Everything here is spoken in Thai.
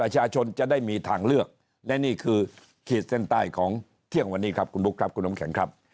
จะได้มีทางเลือกและนี่คือขีดเส้นใต้ของเที่ยงวันนี้ครับคุณบุ๊คครับคุณน้ำแข็งครับ